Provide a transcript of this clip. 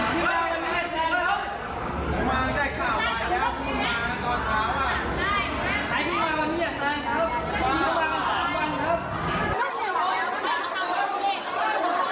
ที่นี่น่ากลัวมากน่ะอ่า